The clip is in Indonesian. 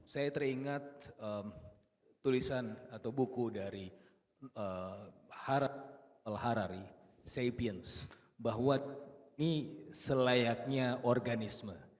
saya ingat tulisan atau buku dari harari sapiens bahwa ini selayaknya organisme